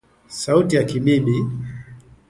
Sauti ya kibibi